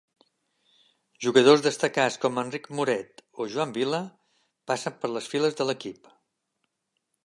Jugadors destacats com Enric Moret o Joan Vilà passen per les files de l'equip.